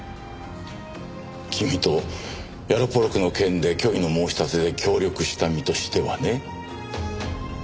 君とヤロポロクの件で虚偽の申し立てで協力した身としてはね。